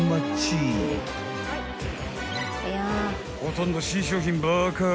［ほとんど新商品ばかり］